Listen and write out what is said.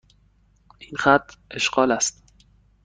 این خط اشغال است.